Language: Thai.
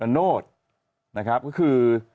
แล้วโน้ตก็คือ